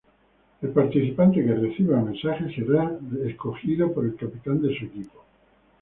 El participante que reciba el mensaje será escogido por el capitán de su equipo.